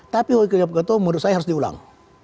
tapi kalau ketua ketua menurut saya harus diulang